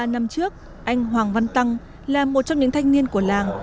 một mươi ba năm trước anh hoàng văn tăng là một trong những thanh niên của làng